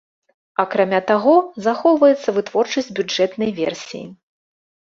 Акрамя таго, захоўваецца вытворчасць бюджэтнай версіі.